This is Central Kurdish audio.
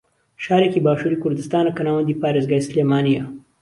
شارێکی باشووری کوردستانە کە ناوەندی پارێزگای سلێمانییە